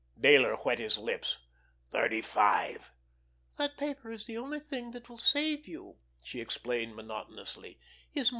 Dayler wet his lips. "Thirty five." "That paper is the only thing that will save you," she explained monotonously.